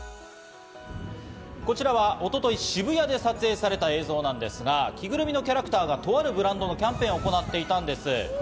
こちらは一昨日、渋谷で撮影された映像なんですが、着ぐるみのキャラクターがとあるブランドのキャンペーンを行っていたんです。